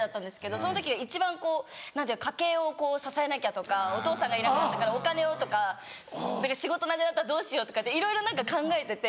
その時が一番こう家計を支えなきゃとかお父さんがいなくなったからお金をとか仕事なくなったらどうしようとかいろいろ何か考えてて。